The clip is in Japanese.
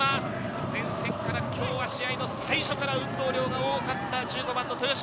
前線から今日は試合の最初から運動量が多かった豊嶋。